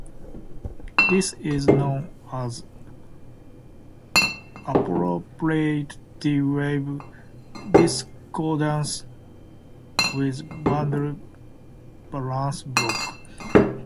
This is known as appropriate T wave discordance with bundle branch block.